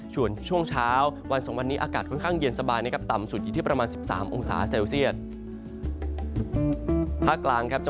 ส่วนช่วงเช้าวันสองวันนี้อากาศค่อนข้างเย็นสบายนะครับ